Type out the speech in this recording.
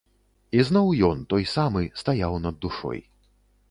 І зноў ён, той самы, стаяў над душой.